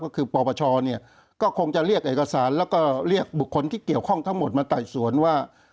ก็คือปปชเนี่ยก็คงจะเรียกเอกสารแล้วก็เรียกบุคคลที่เกี่ยวข้องทั้งหมดมาไต่สวนว่า